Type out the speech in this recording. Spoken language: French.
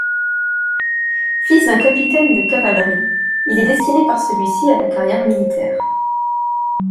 Fils d'un capitaine de cavalerie, il est destiné par celui-ci à la carrière militaire.